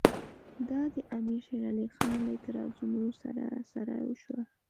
دا د امیر شېر علي خان له اعتراضونو سره سره وشوه.